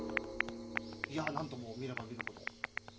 いや何とも見れば見るほど。